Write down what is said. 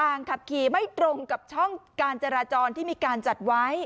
ขับขี่ไม่ตรงกับช่องการจราจรที่มีการจัดไว้